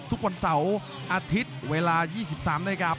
ทุกวันเสาร์อาทิตย์เวลา๒๓นาที